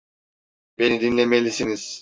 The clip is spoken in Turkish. Beni dinlemelisiniz.